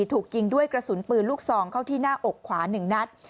ถูกยิงด้วยกระสุนปืนลูกซองเข้าที่หน้าอกขวา๑นัด